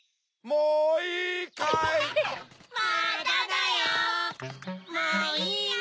もういいよ！